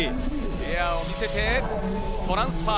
エアを見せてトランスファー。